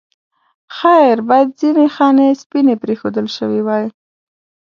خیر باید ځینې خانې سپینې پرېښودل شوې وای.